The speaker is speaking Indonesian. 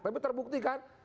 tapi terbukti kan